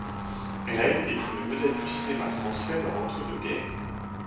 Elle a été une vedette du cinéma français dans l'entre-deux-guerres.